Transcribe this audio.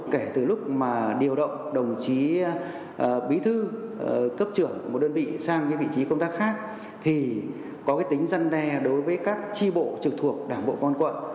kể từ lúc mà điều động đồng chí bí thư cấp trưởng một đơn vị sang vị trí công tác khác thì có tính dân đe đối với các tri bộ trực thuộc đảng bộ công an quận